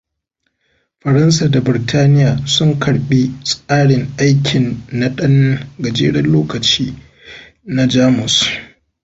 Faransa da Burtaniya sun karɓi tsarin aikin na ɗan gajeren lokaci na Jamus.